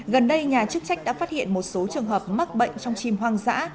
gần đây nhà chức trách đã phát hiện một số trường hợp mắc bệnh trong chim hoang dã